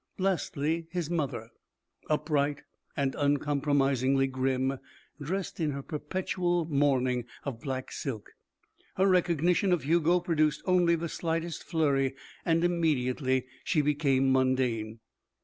Lastly his mother, upright and uncompromisingly grim, dressed in her perpetual mourning of black silk. Her recognition of Hugo produced only the slightest flurry and immediately she became mundane.